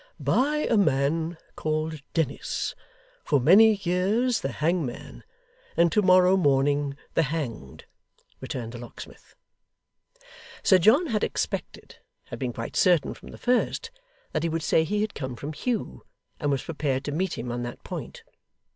'By a man called Dennis for many years the hangman, and to morrow morning the hanged,' returned the locksmith. Sir John had expected had been quite certain from the first that he would say he had come from Hugh, and was prepared to meet him on that point.